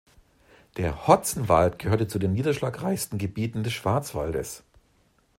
Der Hotzenwald gehört zu den niederschlagreichsten Gebieten des Schwarzwaldes.